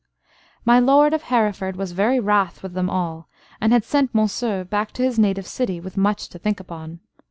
My lord of Hereford was very wrath with them all, and had sent Monceux back to his native city with much to think upon.